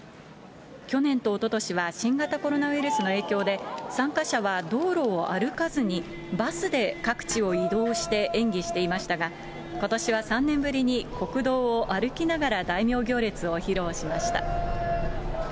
去年とおととしは新型コロナウイルスの影響で、参加者は道路を歩かずに、バスで各地を移動して演技していましたが、ことしは３年ぶりに国道を歩きながら大名行列を披露しました。